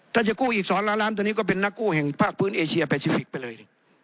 ถ้าจะกู้อีก๒ล้านล้านตัวนี้ก็เป็นนักกู้แห่งภาคพื้นเอเชียไปชีวิตวิกไปเลย